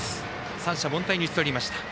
三者凡退に打ち取りました。